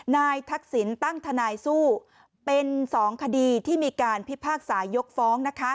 ทักษิณตั้งทนายสู้เป็น๒คดีที่มีการพิพากษายกฟ้องนะคะ